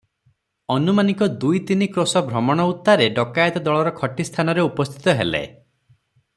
ଅନୁମାନିକ ଦୁଇ ତିନି କ୍ରୋଶ ଭ୍ରମଣ ଉତ୍ତାରେ ଡକାଏତ ଦଳର ଖଟି ସ୍ଥାନରେ ଉପସ୍ଥିତ ହେଲେ ।